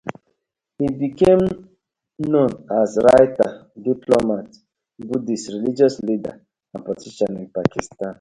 He became known as a writer, diplomat, Buddhist religious leader and politician in Pakistan.